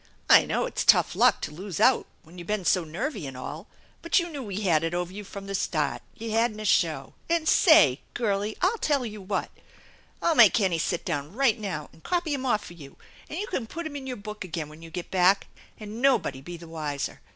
I know it's tough luck to lose out when you been so nervy and all, but you knew we had it over you from the start. You hadn't a show. And say ! Girlie! I tell you what! I'll make Hennie sit down right now and copy 'em off for you, and you can put 'em in your book again when you get back and nobody be the wiser.